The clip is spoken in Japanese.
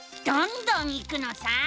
どんどんいくのさ！